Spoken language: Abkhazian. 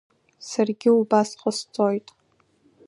Саргьы убас ҟасҵоит.